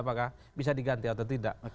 apakah bisa diganti atau tidak